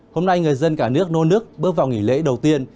hôm nay người dân cả nước nô nước bước vào nghỉ lễ đầu tiên